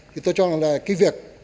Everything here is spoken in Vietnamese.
thì tôi cho là cái việc